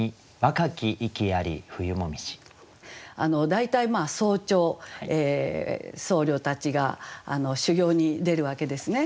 大体早朝僧侶たちが修行に出るわけですね。